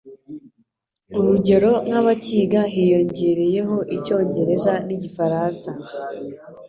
urugero nk'abakiga hiyongereyeho Icyongereza n'Igifaransa